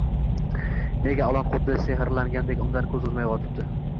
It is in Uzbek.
Nega ilon xuddi sehrlangandek, undan ko`z uzmay yotibdi